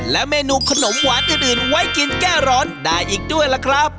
และเมนูขนมหวานอื่นไว้กินแก้ร้อนได้อีกด้วยล่ะครับ